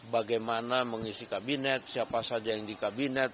bagaimana mengisi kabinet siapa saja yang di kabinet